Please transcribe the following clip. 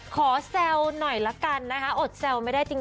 แซวหน่อยละกันนะคะอดแซวไม่ได้จริง